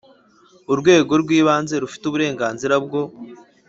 Urwego rw ibanze rufite uburenganzira bwo